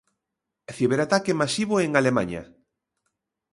Ciberataque masivo en Alemaña.